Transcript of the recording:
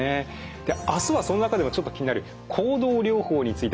あすはその中でもちょっと気になる行動療法についてです。